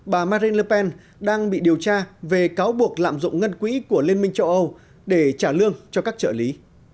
bà marine lepen đang bị điều tra về cáo buộc lạm dụng ngân quỹ của liên minh châu âu để trả lương cho các trợ lý